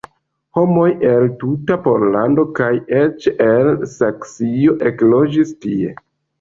Homoj el tuta Pollando kaj eĉ el Saksio ekloĝis tie.